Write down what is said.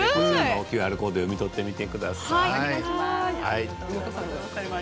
ＱＲコードを読み取ってみてください。